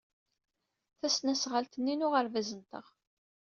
Tasnasɣalt-nni n uɣerbaz-nteɣ.